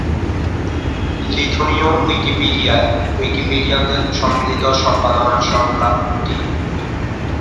লিথুনিয় উইকিপিডিয়ায় উইকিপিডিয়ানদের সম্মিলিত সম্পাদনার সংখ্যা টি।